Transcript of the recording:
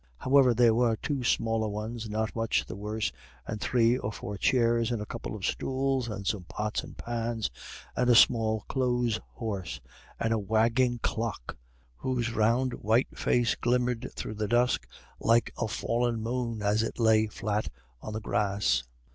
However, there were two smaller ones not much the worse, and three or four chairs, and a couple of stools, and some pots and pans, and a small clothes horse, and a wagging clock, whose round white face glimmered through the dusk like a fallen moon as it lay flat on the grass.